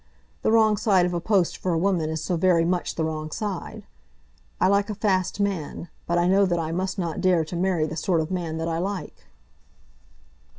The wrong side of a post for a woman is so very much the wrong side. I like a fast man, but I know that I must not dare to marry the sort of man that I like."